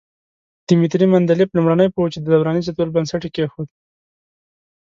دیمتري مندلیف لومړنی پوه وو چې د دوراني جدول بنسټ یې کېښود.